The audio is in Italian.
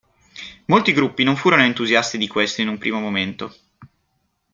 Molti gruppi non furono entusiasti di questo in un primo momento.